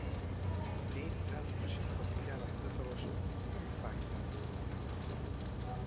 Nate rendszeresen odafigyel a hivatalos Foo Fighters blogra.